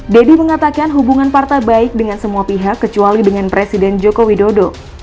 deddy mengatakan hubungan partai baik dengan semua pihak kecuali dengan presiden joko widodo